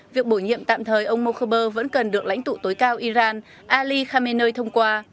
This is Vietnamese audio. việc bổ nhiệm tạm thời ông mokhber vẫn cần được lãnh tụ tối cao iran ali khamenei thông qua